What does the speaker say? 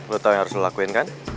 lo tau yang harus lo lakuin kan